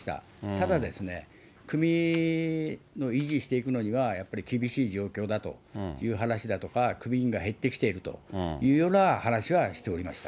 ただですね、組を維持していくのには、やっぱり厳しい状況だという話だとか、組員が減ってきているというような話はしておりました。